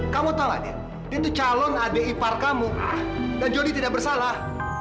kamu tau kan dia dia itu calon adik ipar kamu dan jody tidak bersalah